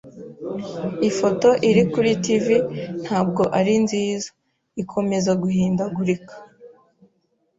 Ifoto iri kuri TV ntabwo ari nziza. Ikomeza guhindagurika.